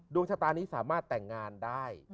ดวงชะตานี้สามารถแต่งงานได้